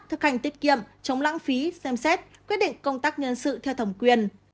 thực hành tiết kiệm chống lãng phí xem xét quyết định công tác nhân sự theo thẩm quyền